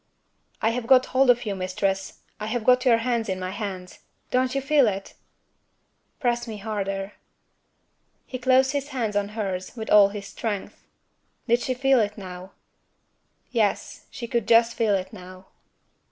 "I have got hold of you, Mistress! I have got your hands in my hands. Don't you feel it?" "Press me harder." He closed his hands on hers with all his strength. Did she feel it now? Yes; she could just feel it now.